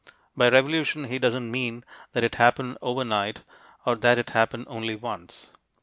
By revolution, he doesn't mean that it happened over night or that it happened only once.